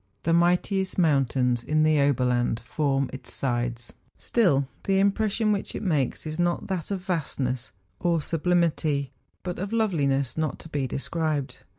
The mightiest mountains in the Oberland form its sides; still the impression which it makes is not that of vastness or sublimity, but of loveliness not to be described.